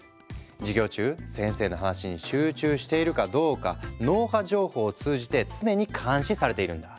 授業中先生の話に集中しているかどうか脳波情報を通じて常に監視されているんだ。